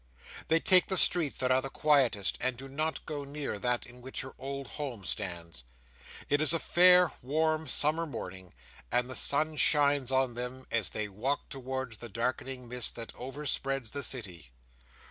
They take the streets that are the quietest, and do not go near that in which her old home stands. It is a fair, warm summer morning, and the sun shines on them, as they walk towards the darkening mist that overspreads the City.